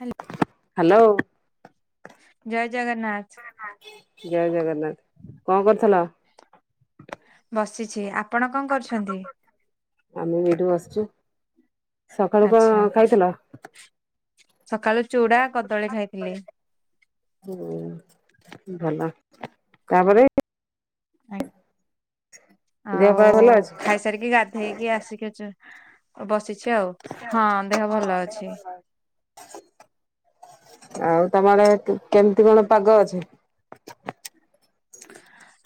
Hello hello. ଜୟ ଜଗନ୍ନାଥ ଜୟ ଜଗନ୍ନାଥ କଣ କରୁଥିଲ? ଜେ ଆପଣ କଣ କରୁଛନ୍ତି? ଆମେ ଏଇଠୁ ବସିଚୂ ସକାଳୁ କଣ ଆଚ୍ଛା ଖାଇଥିଲ? ସକାଳୁ ଚୁଡା କଦଳୀ ଖାଇଥିଲି। ହୁଁ ଭଲ ତାପରେ ଆଜ୍ଞା ଦେହ ପା ଭଲ ଆଉ ଅଛି? ଖାଇସାରିକି ଗାଧେଇକି ଆସିକି ଅ ବସିଛି ଆଉ ହଁ ଦେହ ଭଲ ଅଛି। ଆଉ ତମ ଆଡେ କେମିତି କଣ ପାଗ ଅଛି?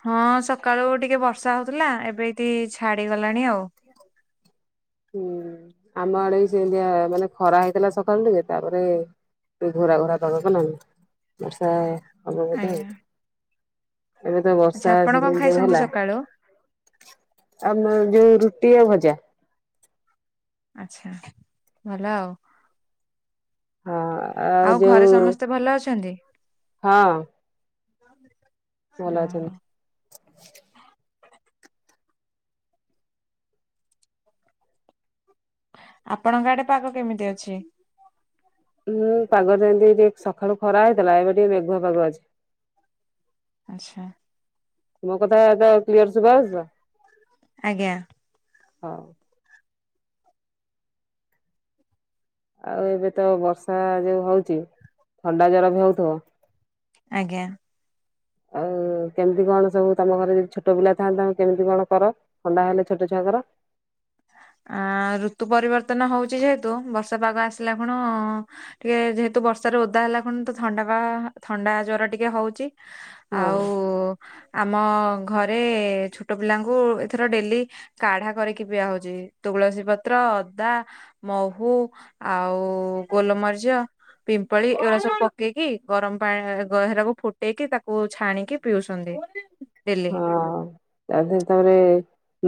ହଁ ସକାଳୁ ଟିକେ ବର୍ଷା ହଉଥିଲା ଏବେ ଏଠି ଛାଡିଗଲାଣି ଆଉ। ହୁଁ ଆମ ଆଡେ ବି ସେମତିଆ ମାନେ ଖରା ସେ ଘୋରା ଘୋରା ପାଗ କଲାଣି ବର୍ଷା ହବ ବୋଧେ। ଆଜ୍ଞା। ଏବେ ତ ଆଚ୍ଛା ବର୍ଷା ଆପଣ କଣ ସିଜନ ଯଉ ଖାଇଛନ୍ତି ହେଲା ସକାଳୁ? ଆମ ଯୋଉ ରୁଟି ଆଉ ଭଜା। ଆଛା ଭଲ ଆଉ। ହଁ ଆଉ ଘରେ ଯୋଉ ସମସ୍ତେ ଭଲ ଅଛନ୍ତି? ହଁ ଭଲ ଓହୋ ଅଛନ୍ତି। ଆପଣଙ୍କ ଆଡେ ପାଗ କେମିତି ଅଛି? ହୁଁ ପାଗ ଯେମିତି ଟିକେ ସକାଳୁ ଖରା ହେଇଥିଲା ଏବେ ଟିକେ ମେଘୁଆ ପାଗ ଅଛି। ଆଚ୍ଛା। ମୋ କଥା ବାତା କ୍ଲିୟର ଶୁବା ହୋଉଚି ତ? ଆଜ୍ଞା। ହଁ। ଆଉ ଏବେ ତ ବର୍ଷା ଯୋଉ ହଉଛି ଥଣ୍ଡା ଜର ବି ହଉଥିବ। ଆଜ୍ଞା। ଆଉ କେମିତି କଣ ସବୁ ତମ ଘରେ ଯଦି ଛୋଟ ପିଲା ଥାଆନ୍ତା କେମିତି କଣ କର ଥଣ୍ଡା ହେଲେ ଛୋଟ ଛୁଆଙ୍କର? ଆ ଋତୁ ପରିବର୍ତନ ହଉଛି ଯେହେତୁ ବର୍ଷା ପାଗ ଆସିଲା ଖୁଣୁ ଟିକେ ଯେହେତୁ ବର୍ଷାରେ ଓଦା ହେଲାଖୁନ ତ ଥଣ୍ଡା ବା ଥଣ୍ଡା ଜର ଟିକେ ହଉଛି। ହଁ ଆଉ ଆମ ଘରେ ଛୋଟ ପିଲାଙ୍କୁ ଏଥର ଡେଲି କାଢା କରିକି ପିଆ ହଉଛି। ତୁଳସୀ ପତ୍ର ଅଦା ମହୁ ଆଉ ଗୋଲମରିଚ ପିମ୍ପଳି ଏଗୁରା ସବୁ ପ ପକେଇକି ଗରମ ପାଣି ଗ ହେରାକୁ ଫୁଟେଇକି ତାକୁ ଛାଣିକି ପିଉଛନ୍ତି। ଡେଲି। ହଁ ତା ଦିହରେ ତାପରେ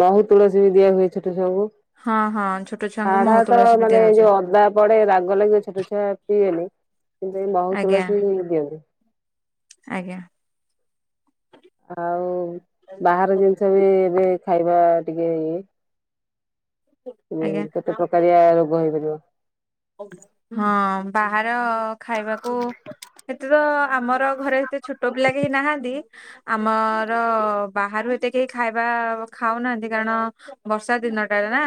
ମହୁ ତୁଳସୀ ବି ଦିଆ ହୁଏ ଛୋଟ ସେ ସବୁ ହଁ ହଁ ଛୋଟ ଛୁଆଙ୍କୁ କାଢା ମହୁ ତ ତୁଳସୀ ବି ମାନେ ଦିଆହଉଛି ଯୋଉ ଅଦା ପଡେ ରାଗ ଲାଗିବ ଛୋଟ ଛୁଆ ପିଇବେନି କିନ୍ତୁ ଏ ମହୁ ଆଜ୍ଞା ତୁଳସି ଦିଅନ୍ତି। ଆଜ୍ଞା। ଆଉ ବାହାର ଜିନିଷ ବି ଏବେ ଖାଇବା ଟିକେ ଇଏ ଆଜ୍ଞା। କେତେ ପ୍ରକାରିଆ ରୋଗ ହେଇପାରିବ। ହଁ ବାହାର ଖାଇବାକୁ ହେ ତ ଆମର ଘରେ ଏତେ ଛୋଟ ପିଲା କେହି ନାହାନ୍ତି। ଆମର ବାହାରୁ ଏତ କେହି ଖାଇବା ଖାଉନାହାନ୍ତି କାରଣ ବର୍ଷା ଦିନଟା ନା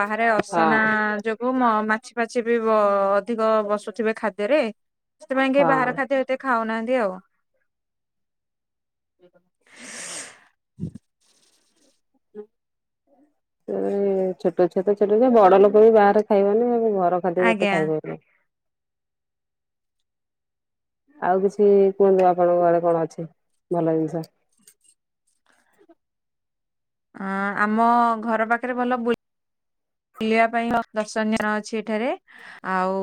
ବାହାରେ ଅସନା ହଁ ଯୋଗୁ ମ ମା ଛି ବି ବ ଅଧିକ ବସୁଥିବେ ଖାଦ୍ୟରେ ସେଥିପାଇଁ କେହି ବାହାର ହଁ। ଖାଦ୍ୟ ଏତେ ଖାଉନାହା ତି ଆଉ ସି ଛୋଟ ଛୁଆ ତ ଛୋଟ ଛୁଆ ବଡ ଲୋକ ବି ବାହାରେ ଖାଇବନି ଆଉ ମୁଁ ଘର ଖାଦ୍ୟ ଯେତେ ଆଜ୍ଞା। ଖାଇ ପାରିବେ। ଆଉ କିଛି କୁହନ୍ତୁ ଆପଣଙ୍କ ଘରେ କଣ ଅ ଛି ଭଲ ଜିନିଷ? ଆ ଆମ ଘର ପାଖରେ ଭଲ ବୁଲିବା ପାଇଁ ଦର୍ଶନୀୟ ସ୍ଥାନ ଅଛି ଏଠାରେ ଆଉ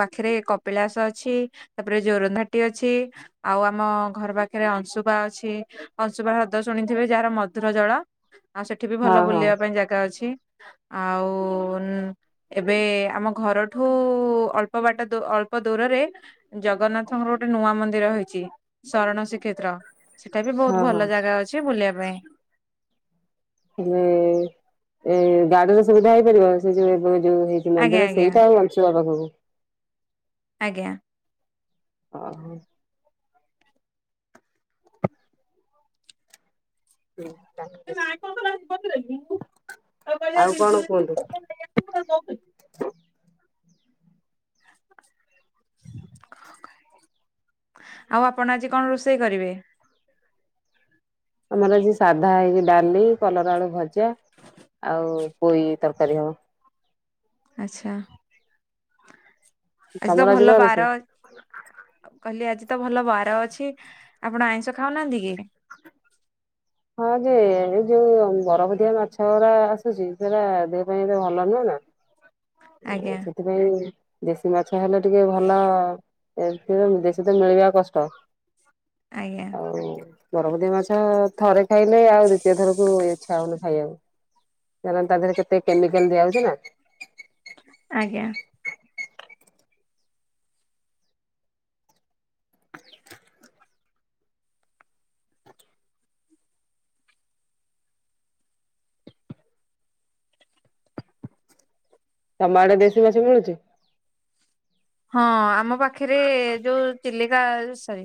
ପାଖରେ କପିଳାସ ଅଛି ତାପରେ ଜୋରନ୍ଦା ଟି ଅଛି ଆଉ ଆମ ଘର ପାଖରେ ଅଂଶୁପା ଅଛି ଅଂଶୁପା ହ୍ରଦ ଶୁଣିଥିବେ ଯାହାର ମଧୁର ଜଳ ଆଉ ସେଠି ବି ହଁ ଭଲ ହଁ ବୁଲିବା ପାଇଁ ଜାଗା ଅଛି। ଆଉ ଏବେ ଆମ ଘରଠୁ ଅଳ୍ପ ବାଟ ଦୂ ଅଳ୍ପ ଦୂରରେ ଜଗନ୍ନାଥଙ୍କର ଗୋଟେ ନୂଆ ମନ୍ଦିର ହେଇଛି ଶରଣ ଶିକ ଶ୍ରୀକ୍ଷେତ୍ର ସେଟା ବି ହଁ ବହୁତ ହଁ। ଭଲ ଜାଗା ଅଛି ବୁଲିବା ପାଇଁ। [inaudible] ଏଇ ଗାଡ଼ିର ସୁବିଧା ହେଇପାରିବ? ସେ ଯୋଉ ଏବେ ଯୋଉ ହେଇଚି ଆଜ୍ଞା ମନ୍ଦିର ଆଜ୍ଞା ସେଇଟା ଆଉ ଅଂଶୁପା ପାଖକୁ? ଆଜ୍ଞା ହ ହ । ହୁ [unintelligible] [unintelligible] [unintelligible] କଣ କୁହନ୍ତୁ? ଆଉ ଆପଣ ଆଜି କଣ ରୋଷେଇ କରିବେ? ଆମର ଆଜି ସାଧା ହେଇଚି। ଡାଲି, କଲରା ଆଳୁ ଭଜା, ଆଉ ପୋଇ ତରକାରୀ ହବ । ଆଚ୍ଛା। ଆଜି ତ ତମର ଭଲ କଣ ରୋଷେଇ? ବାର କହିଲି ଆଜି ତ ଭଲ ବାର ଅଛି, ଆପଣ ଆଇଁଷ ଖାଉନାହାନ୍ତି କି? ହ ଯେ ଏ ଯୋଉ ବରଫ ଦିଆ ମାଛ ଗୁଡ଼ା ଆସୁଚି ସେଟା ଦେହ ପାଇଁ ଏବେ ଭଲ ନୁହ ନା। ଆଜ୍ଞା ସେଥିପାଇଁ ଦେଶୀ ମାଛ ହେଲେ ଟିକେ ଭଲ। ଏଥିରେ ଦେଶୀ ତ ମିଳିବା କଷ୍ଟ। ଆଜ୍ଞା। ବରଫ ଦିଆ ମାଛ ଥରେ ଖାଇଲେ ଆଉ ଦ୍ୱିତୀୟ ଥରକୁ ଇଚ୍ଛା ହଉନି ଖାଇବାକୁ କାରଣ ତା ଦେହରେ କେତେ କେମିକାଲ ଦିଆ ହଉଚି ନା। ଆଜ୍ଞା। ତମ ଆଡେ ଦେଶୀ ମାଛ ମିଳୁଚି? ହଁ ଆମ ପାଖରେ ଯୋଉ ଚିଲିକା ସରି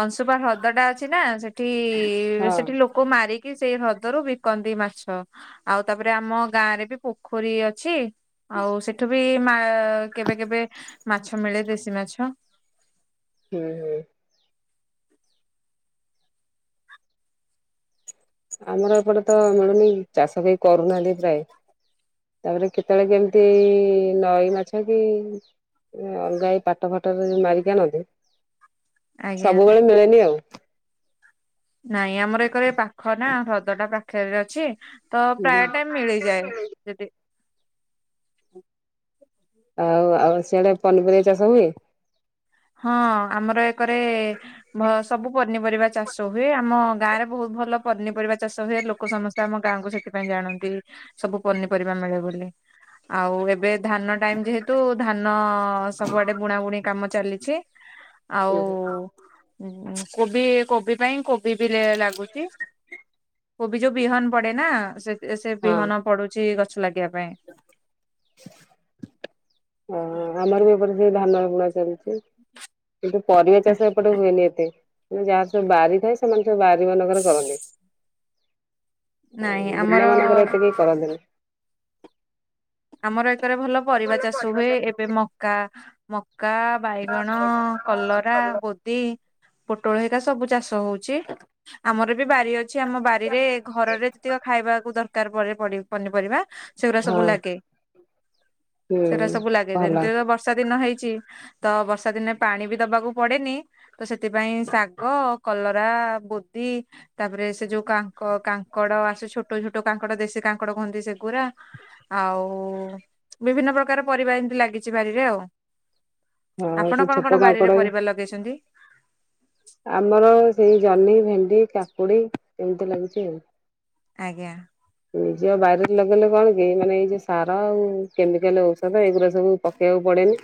ଅଂଶୁପା ହ୍ରଦ ଟା ଅଛି ନା ସେଠି ହଁ ସେଠି ଲୋକ ମାରିକି କି ସେଇ ହ୍ରଦ ରୁ ବିକନ୍ତି ମାଛ। ଆଉ ତାପରେ ଆମ ଗାଁ ରେ ବି ପୋଖରୀ ଅଛି। ଆଉ ସେଠୁ ବି ମା କେବେ କେବେ ମାଛ ମିଳେ ଦେଶୀ ମାଛ । ହୁଁ ହୁଁ। ଆମର ଏପଟେ ତ ମିଳୁନି ଚାଷ କେହି କରୁନାହାନ୍ତି ପ୍ରାୟ? ତାପରେ କେତେବେଳେ କେମିତି ନଈ ମାଛ କି ଅଲଗା ଏ ପାଟ ଫାଟରେ ମାରିକି ଆଣନ୍ତି, ଆଜ୍ଞା। ସବୁବେଳେ ମିଳେନି ଆଉ। ନାଇଁ ଆମର ଏକଡ଼େ ପାଖ ନା ହ୍ରଦ ଟା ପାଖରେ ଅଛି । ତ ହୁଁ ପ୍ରାୟ ଟାଇମ ମିଳିଯାଏ ଯଦି ଆଉ ଆଉ ସିଆଡ଼େ ପନିପରିବା ଚାଷ ହୁଏ? ହଁ ଆମର ଏକରେ ମ ସବୁ ପନିପରିବା ଚାଷ ହୁଏ ।ଆମ ଗାଁ ରେ ବହୁତ ଭଲ ପନିପରିବା ଚାଷ ହୁଏ। ଲୋକ ସମସ୍ତେ ଆମ ଗାଁ କୁ ସେଥିପାଇଁ ଜାଣନ୍ତି ସବୁ ପନିପରିବା ମିଳେ ବୋଲି। ଆଉ ଏବେ ଧାନ ଟାଇମ ଯେହେତୁ ଧାନ ସବୁଆଡେ ବୁଣା ବୁଣି କାମ ଚାଲିଛି। ଆଉ କୋବି କୋବି ପାଇଁ କୋବି ବି ଲାଗୁଚି। କୋବି ଯଉ ବିହନ ପଡେ ନା ସେ ସେ ହଁ ବିହନ ପଡୁଚି ଗଛ ଲାଗିବା ପାଇଁ। ହ ଆମର ବି ଏପଡେ ବି ଧାନ ବୁଣା ଚାଲିଚି । କିନ୍ତୁ ପରିବା ଚାଷ ଏପଟେ ହୁଏନି ଏତେ, ଯାହା ସବୁ ବୁାରି ଥାଏ ସେମାନେ ସବୁ ବାରି ମାନଙ୍କରେ କରନ୍ତି । ନାଇଁ ବିଲ ଆମର ମାନଙ୍କରେ ଏତେ କାଇଁ କରନ୍ତିନି? ଆମର ଏଥରେ ଭଲ ପରିବା ଚାଷ ହୁଏ ଏବେ ମକା ମକା ବାଇଗଣ, କଲରା, ବୋଧି। ପୋଟଳ, ହରିକା ସବୁ ଚାଷ ହଉଚି ।ଆମର ବି ବାରି ଅଛି ।ଆମ ବାରିରେ ଘରରେ ଯେତିକ ଖାଇବାକୁ ଦରକାର ପନି ପରି ପନିପରିବା ସେଗୁଡା ହଁ ସବୁ ଲାଗେ । ହୁଁ ସେଗୁଡା ସବୁ ଲାଗେ ଭଲ। ଯେମିତି ତ ବର୍ଷାଦିନ ହେଇଚି। ତ ବର୍ଷା ଦିନେ ପାଣି ବି ଦବାକୁ ପଡେନି, ତ ସେଥିପାଇଁ ଶାଗ, କଲରା, ବୋ କୋବି, ତାପରେ ସେ ଯୋଉ କାଙ୍କ କାଙ୍କଡ ଆସ ଛୋଟ ଛୋଟ କାଙ୍କଡ ଦେଶୀ କାଙ୍କଡ କୁହନ୍ତି ସେଗୁରା। ଆ ଆଉ ବିଭିନ୍ନ ପ୍ରକାର ପରିବା ଏମିତି ଲାଗିଛି ବାରିରେ ଆଉ । ହଁ ସେ ଆପଣ କଣ ଛୋଟ କଣ କାଙ୍କଡ ବାରିରେ ପରିବା ଲଗେଇଚନ୍ତି? ଆମର ସେଇ ଜହ୍ନି, ଭେଣ୍ଡି, କାକୁଡି, ଏମିତି ଲାଗିଛି ଆଉ । ଆଜ୍ଞା। ନିଜ ବାରିରେ ଲଗେଇଲେ କଣ କି ମାନେ ଏଇ ଯୋଉ ସାର ଆଉ କେମିକାଲ ଔଷଧ ଏଇଗୁଡା ସବୁ ପକେଇ ଦେଖିବାକୁ ପଡେନି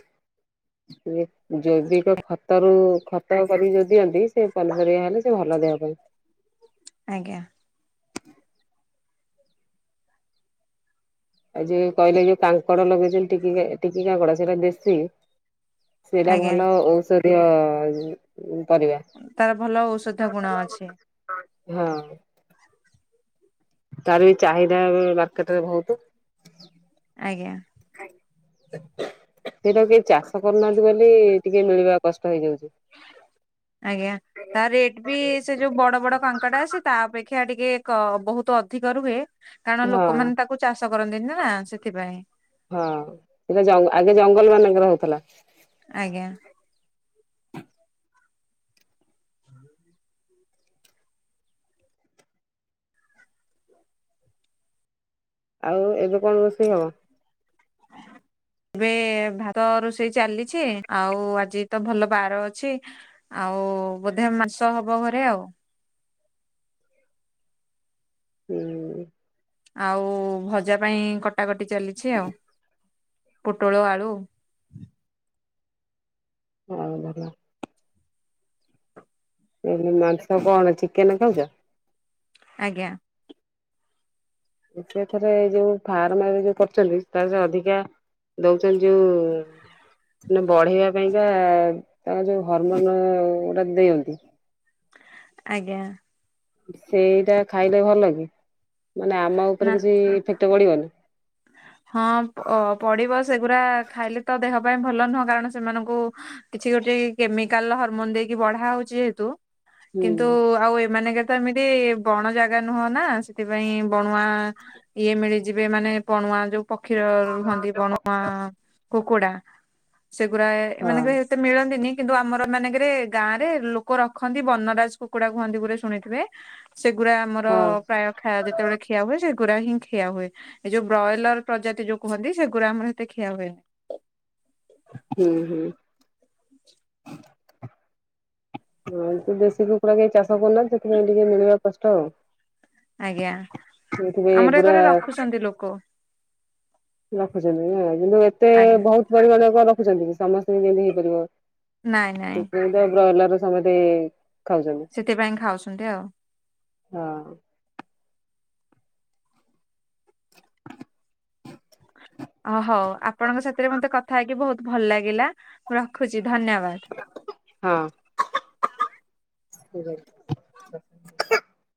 । ଜୈବିକ ଖତ ରୁ ଖତ କରିକି ଯଦି ଦିଅନ୍ତି ସେ ପନିପରିବା ହେଲେ ଭଲ ଦେହ ପାଇଁ । ଆଜ୍ଞା। ଆଉ ଯିଏ କହିଲେ ଯୋଉ କାଙ୍କଡ ଲଗେଇଛନ୍ତି ଟ ଟିକି କାଙ୍କଡ ସେଇଟା ଦେଶୀ? ସେଟା ଆଜ୍ଞା ଭଲ ଔଷଧୀୟ ପରିବା ତାର ଭଲ ଔଷଧ ଗୁଣ ଅଛି [unintelligible] ହଁ। ତାର ବି ଚାହିଦା ଏବେ ମାର୍କେଟ ରେ ବହୁତ । ଆଜ୍ଞା। ସେଇଟା କେହି ଚାଷ କରୁନାହାନ୍ତି ବୋଲି ଟିକେ ମିଳିବା କଷ୍ଟ ହେଇଯାଉଛି । ଆଜ୍ଞା ତା ରେଟ ବି ସେ ଯୋଉ ବଡ ବଡ କାଙ୍କଡ ଆସେ ତା ଅପେକ୍ଷା ଟିକେ ବହୁତ ଅଧିକ ରୁହେ କାରଣ ହଁ ଲୋକମାନେ ତାକୁ ଚାଷ କରନ୍ତିନି ନା ସେଥିପାଇଁ ହଁ ସେଟା ଆଗେ ଜଙ୍ଗଲ ମାନଙ୍କର ହଉ ଆଜ୍ଞା। [inaudible] ଆଉ ଏବେ କଣ ରୋଷେଇ ହବ? [inaudible] ଏବେ ଭାତ ରୋଷେଇ ଚାଲିଛି ଆଉ ଆଜି ତ ଭଲ ବାର ଅଛି ଆଉ ଆଉ ବୋଧେ ମାଂସ ହବ ଘରେ ଆଉ। ହୁଁ। ଆଉ ଭଜା ପାଇଁ କଟାକଟି ଚାଲିଛି ଆଉ। ପୋଟଳ, ଆଳୁ ହଉ ଭଲ । ଏ ମାଂସ କଣ ଚିକେନ ଖାଉଚ? ଆଜ୍ଞା। ସେଥିରେ ଯୋଉ ଫାର୍ମ ଯୋଉ କରୁଛନ୍ତି ତା ସେ ଅଧିକା ଦଉଛନ୍ତି ଯୋଉ ବଢ଼େଇବା ପାଇଁକା ତାଙ୍କ ଯୋଉ ହରମୋନ ଗୁଡା ଦିଅନ୍ତି। ଆଜ୍ଞା। ସେଇଟା ଖାଇଲେ ଭଲ କି? ମାନେ ଆମ ଉପରେ ନା କିଛି ଇଫେକ୍ଟ ପଡ଼ିବନି? ହଁ ପଡିବ ସେଗୁରା ଖାଇଲେ ତ ଦେହ ପାଇଁ ଭଲ ନୁହଁ, କାରଣ ସେମାନଙ୍କୁ ଉ କିଛି ଗୋଟେ କେମିକାଲ୍ ହରମୋନ୍ ଦେଇକି ବଢା ହଉଚି। ଯେହେତୁ ହୁଁ କିନ୍ତୁ ଉ ଆଉ ଏମାନେ ଙ୍କ ତ ଏମିତି ବଣ ଜାଗା ନୁହଁ ନା ଥିପାଇଁ ବଣୁଆ ଆ ଇଏ ମିଳିଯିବେ ମାନେ ବଣୁଆ ଯୋ ପକ୍ଷୀ ର-ର ରୁହନ୍ତି ବଣୁଆ କୁକୁଡା। ସେଗୁଡା ଏ ଏ ମାନେ ହଁ। କାଇଁ ଏତେ ମିଳନ୍ତିନି। କିନ୍ତୁ ଆମର ମାନେଙ୍କେ ରେ ଗାଁ ରେ ଲୋକ ରଖନ୍ତି ବନରାଜ କୁକୁଡା କୁହନ୍ତି ବୋଲି ଶୁଣିଥିବେ। ସେଗୁଡା ଆମର ହଁ ଅ ପ୍ରାୟ ଖାଇବା ଯେତେବେଳେ ଖିଆ ହୁଏ, ସେଗୁଡା ହିଁ ଖିଆ ହୁଏ। ଏ ଯୋଉ ବ୍ରଏଲର ପ୍ରଜାତି ଯୋଉ କୁହନ୍ତି, ସେଗୁଡା ଆମର ଏତେ ଖିଆ ହୁଏନାହିଁ। ହୁଁ ହୁଁ। ହଁ ତୁ ଦେଶୀ କୁକୁଡ଼ା କେହି ଚାଷ କରୁନାହାନ୍ତୀ, ସେଥିପାଇଁ ଟିକେ ମିଳିବା କଷ୍ଟ ଆଉ। ଆଜ୍ଞା, ଏଥିପାଇଁ ଆମର ଏ ଘରେ ରଖୁଚନ୍ତି ଲୋକ। ରଖୁଚନ୍ତି ଏୟା କିନ୍ତୁ ଏତେ ଏ ଆଜ୍ଞା ବହୁତ ପରିମାଣ କଣ ର ଖୁଛନ୍ତି ସମସ୍ତଙ୍କୁ କେମିତି ହେଇପାରିବ, ନାଇଁ ନାଇଁ ସେଥି ପାଇଁ ତ ବ୍ରଏଲର ସମସ୍ତେ ଏ ସେଥିପାଇଁ ଖାଉଛନ୍ତି ଆଉ। ହଁ। ଅ ହଉ ଆପଣଙ୍କ ସାଥିରେ ମତେ କଥା ହେଇକି ବହୁତ୍ ଭଲ ଲାଗିଲା, ରଖୁଛି। ଧନ୍ୟବାଦ। ହଁ [inaudible]